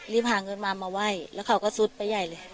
หาเงินมามาไหว้แล้วเขาก็ซุดไปใหญ่เลย